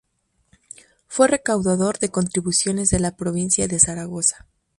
Fue recaudador de Contribuciones de la provincia de Zaragoza.